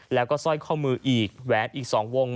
แล้วก็สร้อยข้อมืออีกแหวนอีก๒วง